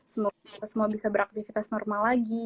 semoga semua bisa beraktivitas normal lagi